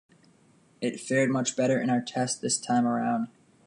It fared much better in our tests this time around.